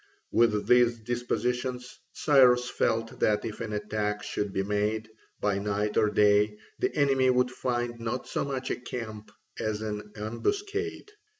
With these dispositions Cyrus felt that if an attack should be made, by night or day, the enemy would find not so much a camp as an ambuscade.